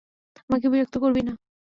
আমাকে বিরক্ত করবি না।